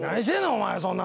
お前そんな。